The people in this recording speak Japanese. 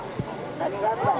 何があったの？